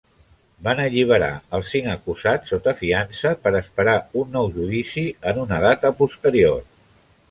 Van alliberar els cinc acusats sota fiança per esperar un nou judici en una data posterior.